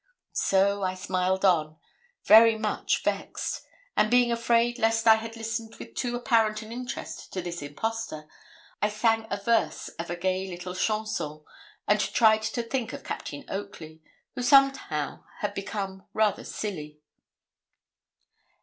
So I smiled on, very much vexed; and being afraid lest I had listened with too apparent an interest to this impostor, I sang a verse of a gay little chanson, and tried to think of Captain Oakley, who somehow had become rather silly.